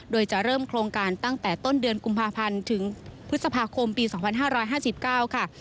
โดยจะเริ่มโครงการตั้งแต่ต้นเดือนกุมภาพันธ์ถึงพฤษภาคมปี๒๕๕๙ค่ะ